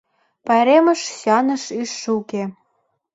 Пайремыш, сӱаныш ӱжшӧ уке.